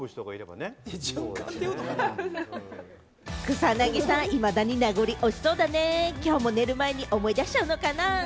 草なぎさん、いまだに名残惜しそうだね、きょうも寝る前に思い出しちゃうのかな？